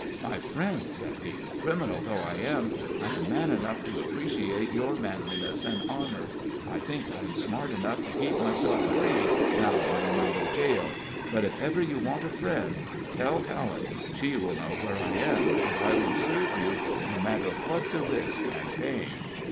"My friend," said he, "criminal though I am, I am man enough to appreciate your manliness and honor. I think I am smart enough to keep myself free, now I am out of jail. But, if ever you want a friend, tell Helen, she will know where I am, and I will serve you, no matter what the risk and pain."